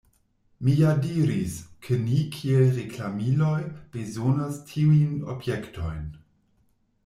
Mi ja diris, ke ni kiel reklamiloj bezonas tiujn objektojn.